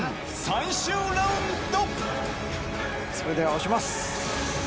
それでは押します！